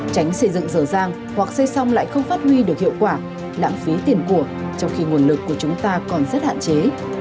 tránh xây dựng dở dàng hoặc xây xong lại không phát huy được hiệu quả lãng phí tiền của trong khi nguồn lực của chúng ta còn rất hạn chế